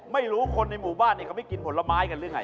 ไม่รู้คนในหมู่บ้านเขาไม่กินผลไม้กันหรือไง